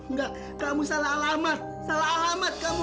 enggak kamu salah alamat salah alamat kamu